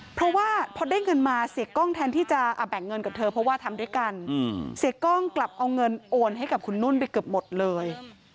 เพราะว่าพอได้เงินมาเสียกล้องแทนที่จะแบ่งเงินกับเธอเพราะว่าทำด้วยกันเสียกล้องกลับเอาเงินโอนให้กับคุณนุ่นไปเกือบหมดเลย